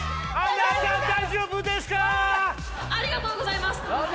ありがとうございます。